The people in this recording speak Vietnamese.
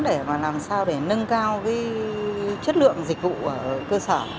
để mà làm sao để nâng cao chất lượng dịch vụ ở cơ sở